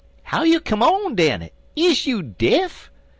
"'How you come on, den? Is you deaf?'